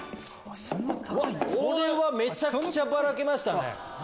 これはめちゃくちゃバラけましたね。